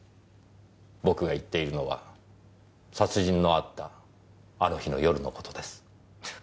僕が言っているのは殺人のあったあの日の夜の事です。